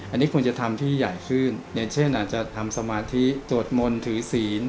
อันนี้ควรจะทำที่ใหญ่ขึ้นอย่างเช่นอาจจะทำสมาธิสวดมนต์ถือศีล